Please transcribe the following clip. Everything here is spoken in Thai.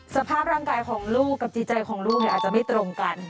สภาพร่างกายของลูกกับจิตใจของลูกเนี่ยอาจจะไม่ตรงกัน